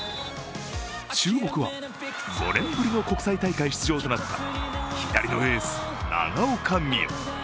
注目は５年ぶりの国際大会出場となった左のエース、長岡望悠。